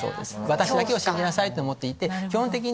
「私だけを信じなさい」と思っていて基本的に。